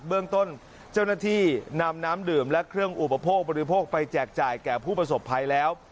เรื่องต้นเจ้าหน้าที่นำน้ำดื่มและเครื่องอุปโภคบริโภคไปแจกจ่ายแก่ผู้ประสบภัยแล้ว